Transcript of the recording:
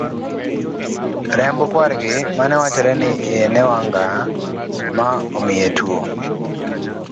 remb kwargi mane wachore ni iye newang'ga ma omiye tuwo